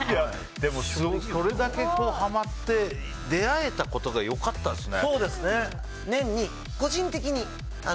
それだけはまって出会えたことが良かったですね。